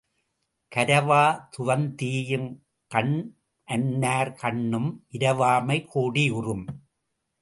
கரவா துவந்தீயும் கண்ணன்னார் கண்ணும் இரவாமை கோடி யுறும்.